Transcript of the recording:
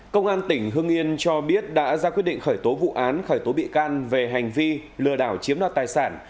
công an tỉnh hưng yên cho biết đã ra quyết định khởi tố vụ án khởi tố bị can về hành vi lừa đảo chiếm đoạt tài sản